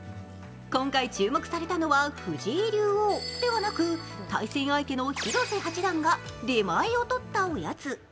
今回注目されたのは藤井竜王ではなく対戦相手の広瀬八段が出前をとったおやつ。